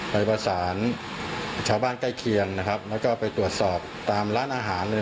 ไปประสานชาวบ้านใกล้เคียงนะครับแล้วก็ไปตรวจสอบตามร้านอาหารเลย